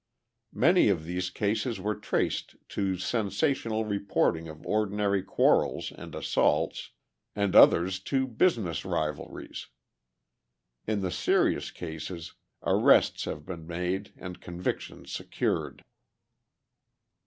Many of these cases were traced to sensational reporting of ordinary quarrels and assaults, and others to business rivalries. In the serious cases, arrests have been made and convictions secured.